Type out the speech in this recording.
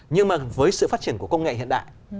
nhưng mà với sự phát triển của công nghệ hiện đại